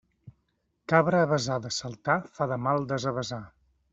Cabra avesada a saltar fa de mal desavesar.